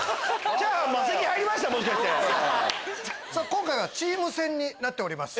今回はチーム戦になっております。